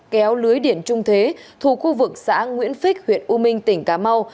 kéo lưới điện trung thế thuộc khu vực xã nguyễn phích huyện u minh tỉnh cà mau